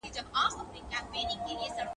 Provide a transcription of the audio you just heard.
خو له تربوره څخه پور، په سړي خوله لگوي